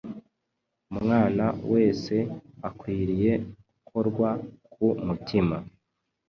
Umwana wese akwiriye gukorwa ku mutima